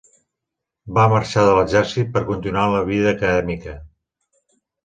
Va marxar de l'exèrcit per continuar la vida acadèmica.